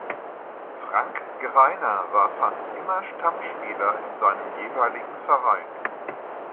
Frank Greiner war fast immer Stammspieler in seinem jeweiligen Verein.